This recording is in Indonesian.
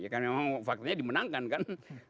karena memang faktanya dimenangkan kan